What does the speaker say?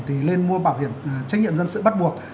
thì lên mua bảo hiểm trách nhiệm dân sự bắt buộc